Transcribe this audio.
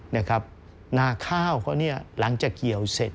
นาข้าวเขาหลังจากเกี่ยวเสร็จ